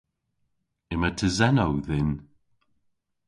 Yma tesennow dhyn.